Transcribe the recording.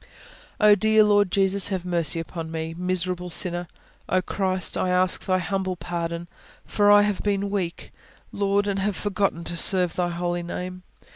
"Oh, dear Lord Jesus, have mercy upon me, miserable sinner! Oh, Christ, I ask Thy humble pardon! For I have been weak, Lord, and have forgotten to serve Thy Holy Name.